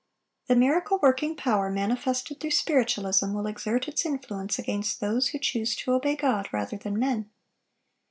The miracle working power manifested through Spiritualism will exert its influence against those who choose to obey God rather than men.